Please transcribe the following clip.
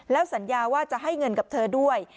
แล้วสัญญาว่าจะให้เงินกับเธอด้วย